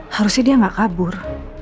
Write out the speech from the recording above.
harusnya dia gak kabur